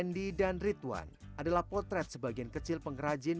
andi dan ridwan adalah potret sebagian kecil pengrajin